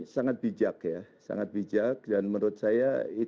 sangat bijak ya sangat bijak dan menurut saya